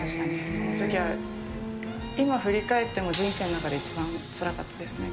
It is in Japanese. そのときは、今振り返っても人生の中で一番つらかったですね。